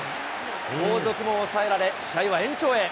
後続も抑えられ、試合は延長へ。